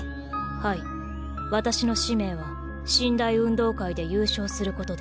はい私の使命は神・大運動会で優勝する事です。